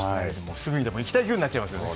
すぐにでも行きたい気分になっちゃいますね。